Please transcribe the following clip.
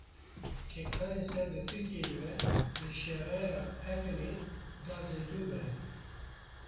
Çekdarên ser bi Tirkiyeyê ve li Şerayê ya Efrînê darzeytûn birîn.